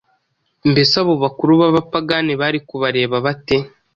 Mbese abo bakuru b’abapagani bari kubareba bate?